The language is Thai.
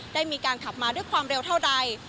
ได้มีการขับมาด้วยความเร็วเท่าใด